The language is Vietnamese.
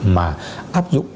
mà áp dụng